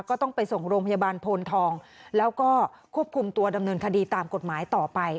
ก็ต้องไปส่งโรงพยาบาลโพนทองแล้วก็ควบคุมตัวดำเนินคดีตามกฎหมายต่อไป